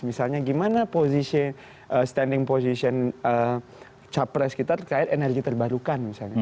misalnya gimana standing position capres kita terkait energi terbarukan misalnya